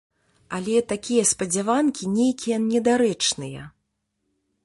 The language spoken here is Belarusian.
Але такія спадзяванкі нейкія недарэчныя.